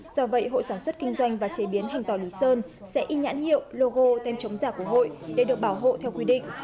do vậy hội sản xuất kinh doanh và chế biến hành tỏ lý sơn sẽ in nhãn hiệu logo tem chống giả của hội để được bảo hộ theo quy định